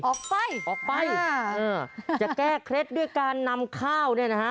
ออกไปออกไปจะแก้เคล็ดด้วยการนำข้าวเนี่ยนะฮะ